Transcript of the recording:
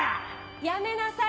やめなさい！